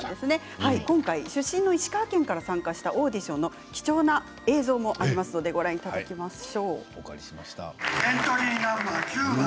今回、出身の石川県から参加したオーディションの貴重な映像もありますのでご覧いただきます。